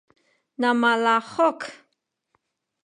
na malahuk